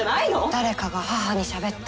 誰かが母にしゃべった。